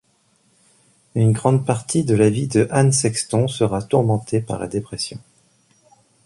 Une grande partie de la vie de Anne Sexton sera tourmentée par la dépression.